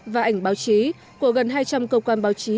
và ảnh báo chí của gần hai trăm linh cơ quan báo chí